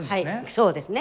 そうですね。